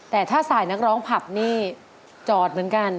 แต่ถ้าสายนักร้องผับนี่จอดเหมือนกัน